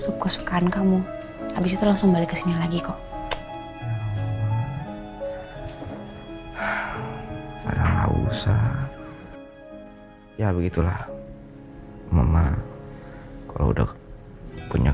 oh iya kamu disini sambil kerja ya